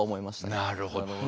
なるほど。